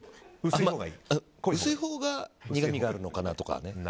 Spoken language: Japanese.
薄いほうが苦みがあるのかなとかね。